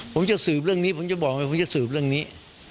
ผมจะสืบเรื่องนี้ผมจะบอกไหมผมจะสืบเรื่องนี้